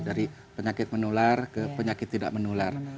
dari penyakit menular ke penyakit tidak menular